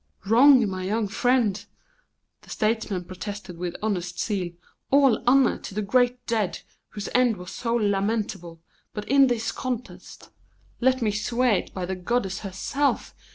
"Wrong, my young friend!" the statesman protested with honest zeal. "All honour to the great dead, whose end was so lamentable; but in this contest let me swear it by the goddess herself!